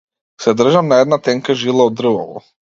Се држам на една тенка жила од дрвово.